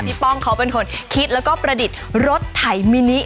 ป้องเขาเป็นคนคิดแล้วก็ประดิษฐ์รถไถมินิ